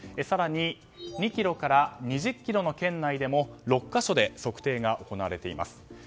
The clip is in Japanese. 更に２ｋｍから２０ｋｍ圏内でも６か所で測定が行われています。